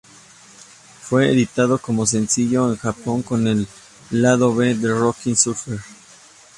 Fue editado como sencillo en Japón con el lado B "The Rocking Surfer".